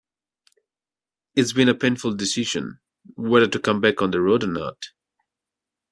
It's been a painful decision, whether to come back on the road or not...